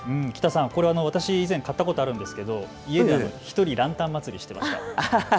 これ私、以前買ったことがあるんですけど家で１人ランタン祭りしていました。